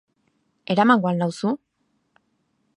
Eramango al nauzu?